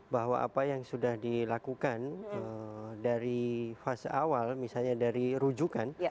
bahwa apa yang sudah dilakukan dari fase awal misalnya dari rujukan